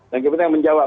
dan kemudian menjawab